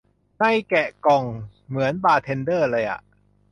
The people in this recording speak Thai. ใน แกะกล่อง เหมือน บาร์เทนเดอร์ เลยอ่ะ